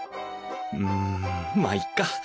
うんまあいっか。